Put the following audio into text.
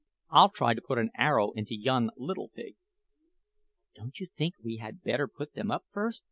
I'll try to put an arrow into yon little pig." "Don't you think we had better put them up first?"